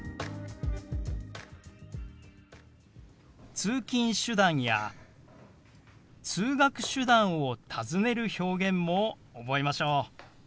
通勤手段や通学手段を尋ねる表現も覚えましょう。